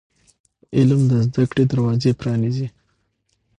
علم د زده کړې دروازې پرانیزي.